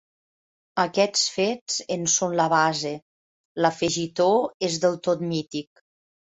Aquests fets en són la base; l'afegitó és del tot mític”.